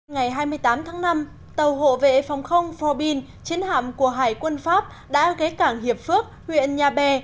ngày hai mươi tám tháng năm tàu hộ vệ phòng không forbin chiến hạm của hải quân pháp đã ghé cảng hiệp phước huyện nhà bè